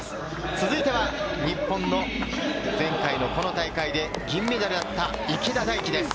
続いては日本の前回のこの大会で銀メダルだった、池田大暉です。